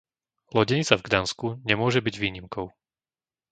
Lodenica v Gdansku nemôže byť výnimkou.